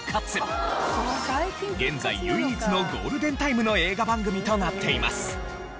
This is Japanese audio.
現在唯一のゴールデンタイムの映画番組となっています。